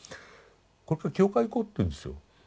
これから教会行こうって言うんですよ。